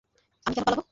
আমি কেন পালবো?